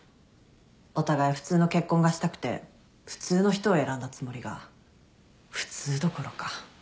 お互い普通の結婚がしたくて普通の人を選んだつもりが普通どころか。